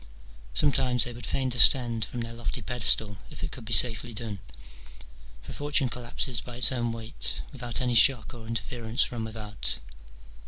Sometimes they would fain descend from their lofty pedestal, if it could be safely done : for Fortune collapses by its own weight, without any shock or interference from without.